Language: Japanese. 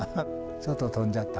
ちょっと飛んじゃった。